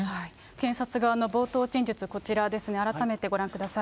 検察側の冒頭陳述、こちらですね、改めてご覧ください。